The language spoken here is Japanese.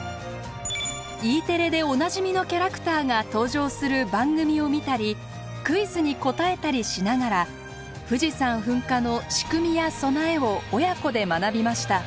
Ｅテレでおなじみのキャラクターが登場する番組を見たりクイズに答えたりしながら富士山噴火の仕組みや備えを親子で学びました。